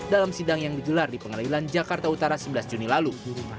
dalam sidang yang digelar di pengadilan jakarta utara sebelas juni lalu